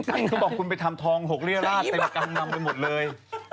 เขาบอกคุณไปทำทอง๖ริลาราศเต็มกั้งนำไปหมดเลย